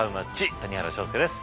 谷原章介です。